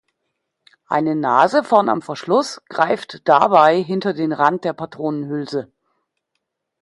Eine Nase vorn am Verschluss greift dabei hinter den Rand der Patronenhülse.